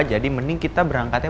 jadi mending kita berangkatnya